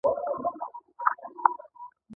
آیا د پښتنو په کلتور کې د شریک کار کول برکت نلري؟